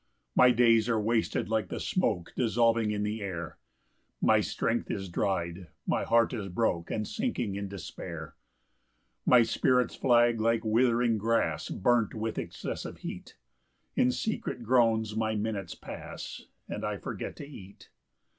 2 My days are wasted like the smoke Dissolving in the air; My strength is dry'd, my heart is broke, And sinking in despair. 3 My spirits flag like withering grass Burnt with excessive heat; In secret groans my minutes pass, And I forget to eat.